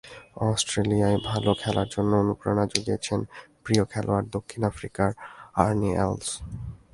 অস্ট্রেলিয়ায় ভালো খেলার জন্য অনুপ্রেরণা জুগিয়েছেন প্রিয় খেলোয়াড় দক্ষিণ আফ্রিকার আর্নি এলস।